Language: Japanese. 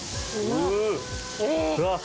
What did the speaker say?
うわっ！